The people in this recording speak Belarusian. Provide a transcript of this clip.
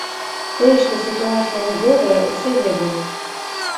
Тое, што сітуацыя не добрая, усе ведаюць.